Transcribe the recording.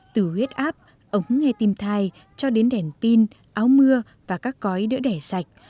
từ huyết áp ống nghe tim thai cho đến đèn pin áo mưa và các cói đỡ đẻ sạch